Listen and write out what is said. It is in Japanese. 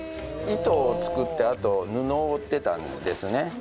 糸を作ってあと布を織ってたんですね。